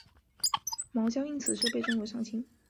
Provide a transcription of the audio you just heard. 茅焦因此事被尊为上卿。